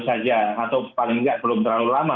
saja atau paling enggak belum terlalu lama